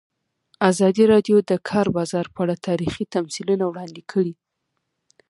ازادي راډیو د د کار بازار په اړه تاریخي تمثیلونه وړاندې کړي.